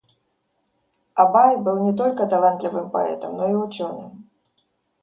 Абай был не только талантливым поэтом, но и ученым.